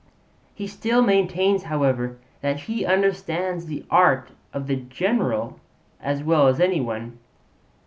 He still maintains, however, that he understands the art of the general as well as any one.